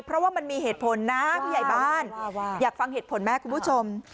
เพราะว่ามันมีเหตุผลนะผู้ใหญ่บ้านอยากฟังเหตุผลไหมคุณผู้ชม